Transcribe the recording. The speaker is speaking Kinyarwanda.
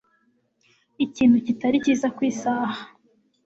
Ikintu kitari cyiza ku isaha.